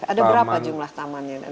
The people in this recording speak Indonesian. ada berapa jumlah tamannya